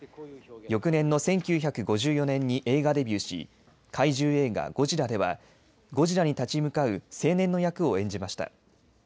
翌年の１９５４年に映画デビューし怪獣映画ゴジラではゴジラに立ち向かう青年の役を演じました。